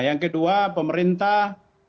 yang kedua pemerintah